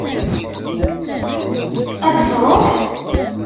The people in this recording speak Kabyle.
Ad d-tṛuḥ?